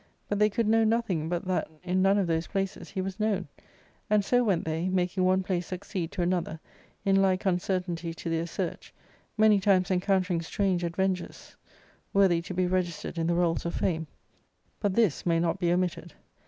But they could know nothing but that in none of those places he was known. And so went they, making one place succeed to another, in like uncer tainty to their search, many times encountering strange adventures worthy to be registered in the rolls of fame ; but this may not be omitted.